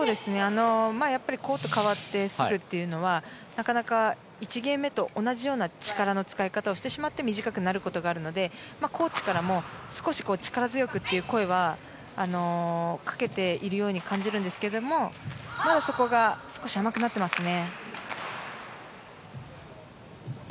やっぱりコートが変わってすぐというのはなかなか１ゲーム目と同じような力の使い方をしてしまって短くなることがあるのでコーチからも少し力強くという声はかけているように感じるんですけれどもそこが少し甘くなっていますね。